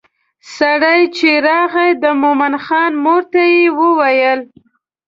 سړی چې راغی د مومن خان مور ته یې وویل.